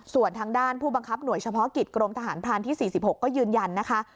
ส่วนทางด้านผู้บังคับหน่วยเฉพาะกิจกรมทหารพรานที่๔๖ก็ยืนยันนะคะ